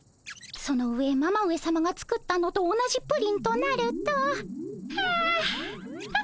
その上ママ上さまが作ったのと同じプリンとなると。はあはっこれは。